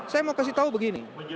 saya mau kasih tahu begini